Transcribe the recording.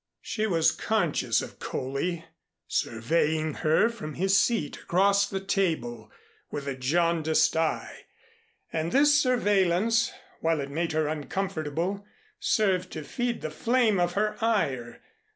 She was conscious of Coley surveying her from his seat across the table with a jaundiced eye, and this surveillance, while it made her uncomfortable, served to feed the flame of her ire.